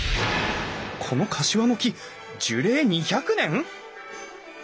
このカシワの木樹齢２００年！？